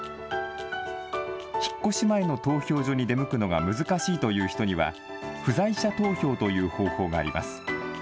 引っ越し前の投票所に出向くのが難しいという人には不在者投票という方法があります。